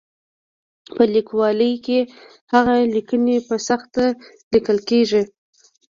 په لیکوالۍ کې هغه لیکنې په سخته لیکل کېږي.